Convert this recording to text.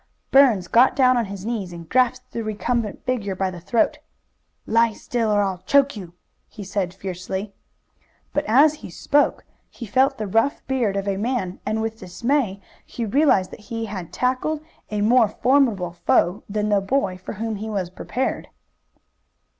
Burns got down on his knees and grasped the recumbent figure by the throat. "Lie still, or I'll choke you!" he said fiercely. But as he spoke he felt the rough beard of a man, and with dismay he realized that he had tackled a more formidable foe than the boy for whom he was prepared.